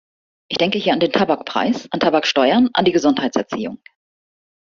Ich denke hier an den Tabakpreis, an Tabaksteuern, an die Gesundheitserziehung.